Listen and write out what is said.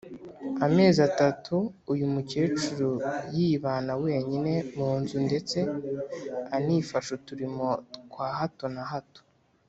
amezi atatu uyu mukecuru yibana wenyine munzu ndetse anifasha uturimo twa hato na hato.